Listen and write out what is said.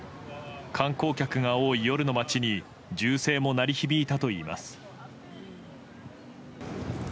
観光客が多い夜の街に銃声も鳴り響いたといいます。